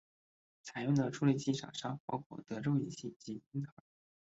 采用的处理器厂商包括德州仪器及英特尔。